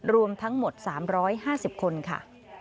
รวมทั้งหมด๓๕๐คนค่ะ